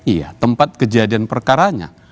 iya tempat kejadian perkaranya